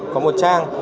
có một trang